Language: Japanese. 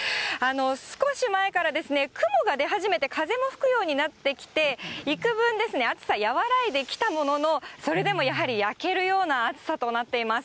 少し前から雲が出始めて、風も吹くようになってきて、いくぶんですね、暑さ和らいできたものの、それでもやはり焼けるような暑さとなっています。